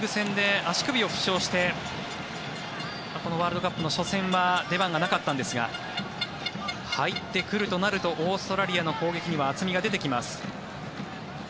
セリエＡのリーグ戦で負傷してワールドカップの序盤は出番がなかったんですが入ってくるとなるとオーストラリアの攻撃には厚みが出てきます。